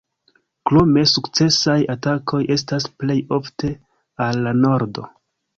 Krome, sukcesaj atakoj estas plej ofte al la nordo.